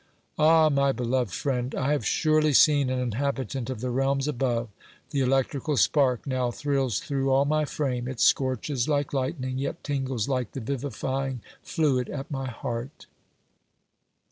Ah ! my beloved friend, I have surely seen an inhabitant of the realms above ; the electrical spark now thrills through all my frame, it scorches like lightning, yet tingles like the vivifying fluid at my heart.